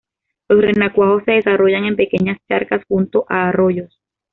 Los renacuajos se desarrollan en pequeñas charcas junto a arroyos.